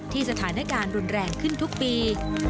สถานการณ์รุนแรงขึ้นทุกปี